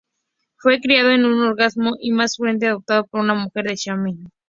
Fue criado en un orfanato y más tarde adoptado por una mujer de Shanghai.